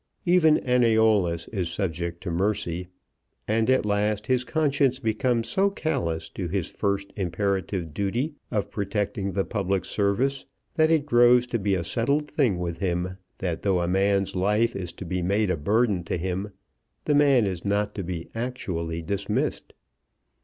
Even an Æolus is subject to mercy, and at last his conscience becomes so callous to his first imperative duty of protecting the public service, that it grows to be a settled thing with him, that though a man's life is to be made a burden to him, the man is not to be actually dismissed.